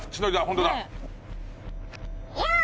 ホントだ。